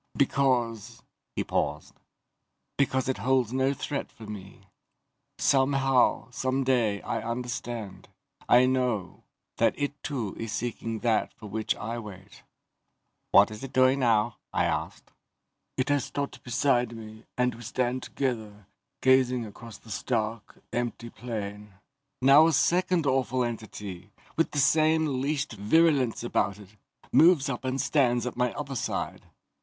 "Because ..." He paused. "Because it holds no threat for me. Somehow, someday, I understand I know that it too is seeking that for which I wait." "What is it doing now?" I asked. "It has stopped beside me and we stand together, gazing across the stark, empty plain. Now a second awful entity, with the same leashed virulence about it, moves up and stands at my other side.